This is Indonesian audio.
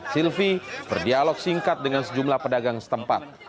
silvi berdialog singkat dengan sejumlah pedagang setempat